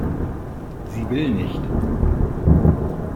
Sie will nicht.